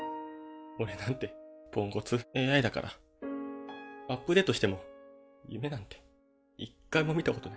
俺なんてポンコツＡＩだからアップデートしても夢なんて一回も見たことない。